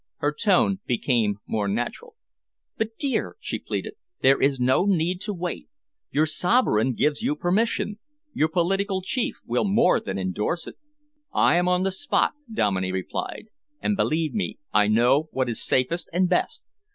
Her tone became more natural. "But, dear," she pleaded, "there is no need to wait. Your Sovereign gives you permission. Your political chief will more than endorse it." "I am on the spot," Dominey replied, "and believe me I know what is safest and best.